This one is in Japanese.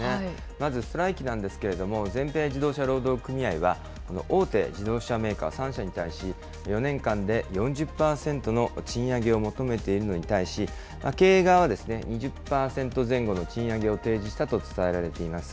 まずストライキなんですけれども、全米自動車労働組合は、この大手自動車メーカー３社に対し、４年間で４０％の賃上げを求めているのに対し、経営側は２０％前後の賃上げを提示したと伝えられています。